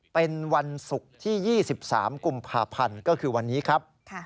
เป็นวันศุกร์ที่๒๓กุมภาพันธ์ก็คือวันนี้ครับ